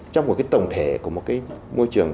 trong một cái tổng thể của một cái môi trường